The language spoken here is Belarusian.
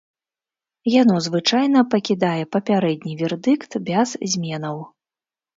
Яно звычайна пакідае папярэдні вердыкт без зменаў.